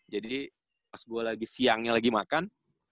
jadi pas gua lagi siangnya lagi makan